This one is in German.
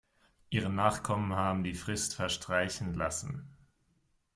Ihre Nachkommen haben die Frist verstreichen lassen.